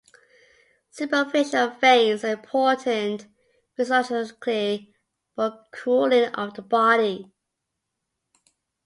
Superficial veins are important physiologically for cooling of the body.